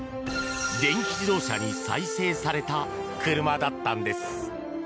電気自動車に再生された車だったんです。